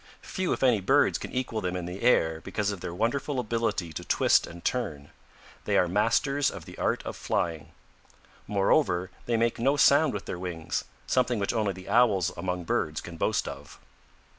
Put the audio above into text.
Few if any birds can equal them in the air because of their wonderful ability to twist and turn. They are masters of the art of flying. Moreover, they make no sound with their wings, something which only the Owls among birds can boast of.